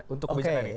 untuk kebicaraan ini